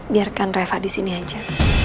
biarkan reva di sini aja